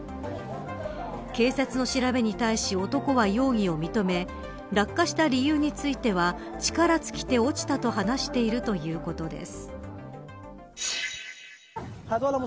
警察の調べに対し男は容疑を認め落下した理由については力尽きて落ちたと話しているということです。